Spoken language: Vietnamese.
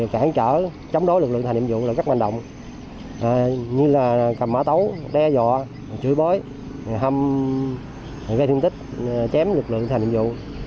cản trở chống đối lực lượng thành nhiệm vụ là các hành động như là cầm mã tấu đe dọa chửi bới hâm gây thiên tích chém lực lượng thành nhiệm vụ